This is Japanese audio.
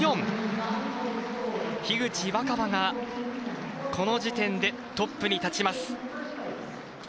樋口新葉が、この時点でトップに立ちます。